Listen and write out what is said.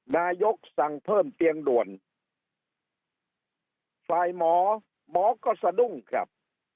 นายกสั่งเพิ่มเตียงด่วนฝ่ายหมอหมอก็สะดุ้งครับ